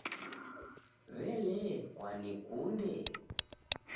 W'elee kwanikunde?